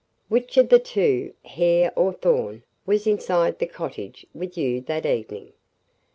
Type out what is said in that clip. "Which of the two, Hare or Thorn, was inside the cottage with you that evening?"